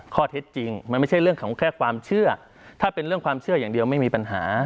ข้อเท็จจริงมันไม่ใช่เรื่องของแค่ความเชื่อถ้าเป็นเรื่องความเชื่ออย่างเดียวไม่มีปัญหา